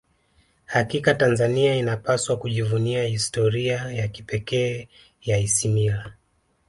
hakika tanzania inapaswa kujivunia historia ya kipekee ya isimila